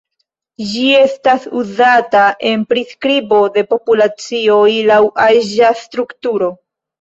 Ĝi estas uzata en priskribo de populacioj laŭ aĝa strukturo.